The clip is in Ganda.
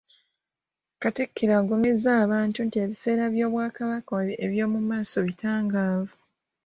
Katikkiro agumizza abantu nti ebiseera by'Obwakabaka eby'omumaaso bitangaavu